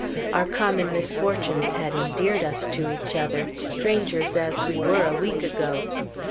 Our common misfortunes had endeared us to each other, strangers as we were a week ago.